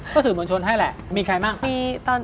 ก็สื่อมวลชนให้แหละมีใครบ้าง